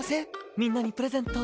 みんなにプレゼント